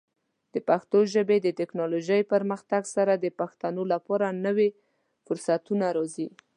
د پښتو ژبې د ټیکنالوجیکي پرمختګ سره، د پښتنو لپاره نوې فرصتونه راځي.